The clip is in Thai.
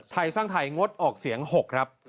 ไทยสร้างไทยงดออกเสียง๖ครับ